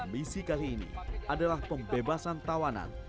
misi kali ini adalah pembebasan tawanan